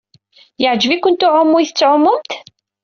Yeɛjeb-ikent uɛumu ay tɛumemt?